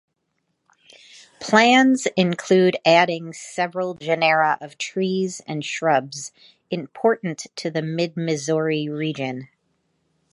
Plans include adding several genera of trees and shrubs important to the Mid-Missouri region.